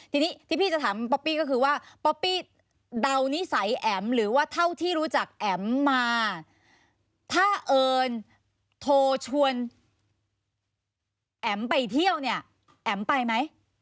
ทีนี้ที่พี่จะถามป๊อปปี้ก็คือว่าป๊อปปี้เดานิสัยแอ๋มหรือว่าเท่าที่รู้จักแอ๋มมาถ้าเอิญโทรชวนแอ๋มไปเที่ยวเนี่ยแอ๋มไปไหม